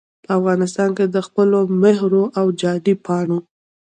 په افغانستان کې دخپلو مهرو او جعلي پاڼو